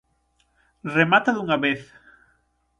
Remata dunha vez!